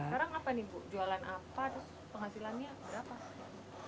sekarang apa nih bu jualan apa terus penghasilannya berapa